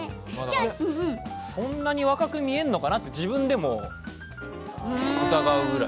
そんなに若く見えるのかなって自分でも疑うくらい。